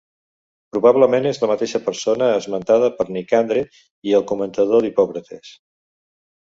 Probablement és la mateixa persona esmentada per Nicandre i el comentador d'Hipòcrates.